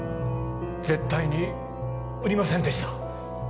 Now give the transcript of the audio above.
絶対に売りませんでした。